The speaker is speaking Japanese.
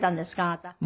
あなた。